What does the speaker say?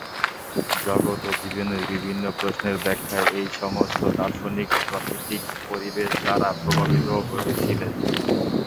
জগৎ ও জীবনের বিভিন্ন প্রশ্নের ব্যাখ্যায় এই সমস্ত দার্শনিক প্রাকৃতিক পরিবেশ দ্বারা প্রভাবিত হয়েছিলেন।